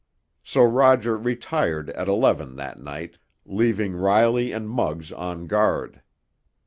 So Roger retired at eleven that night, leaving Riley and Muggs on guard.